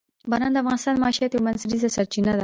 باران د افغانانو د معیشت یوه بنسټیزه سرچینه ده.